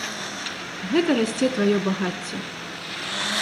Гэта расце тваё багацце!